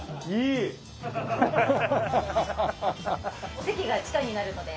お席が地下になるので。